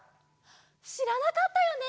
しらなかったよね！